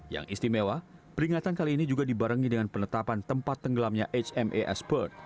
yang istimewa peringatan kali ini juga dibarengi dengan penetapan tempat tenggelamnya hmas